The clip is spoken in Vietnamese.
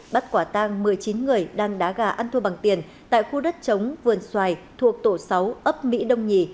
bắt quả tang một mươi chín người đang đá gà ăn thua bằng tiền tại khu đất chống vườn xoài thuộc tổ sáu ấp mỹ đông nhì